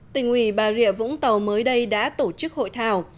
tỉnh ủy bà rịa vũng tàu mới đây đã tổ chức hội thảo